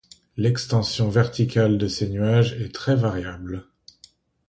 L'extension verticale de ces nuages est très variable.